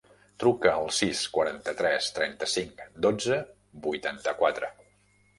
Truca al sis, quaranta-tres, trenta-cinc, dotze, vuitanta-quatre.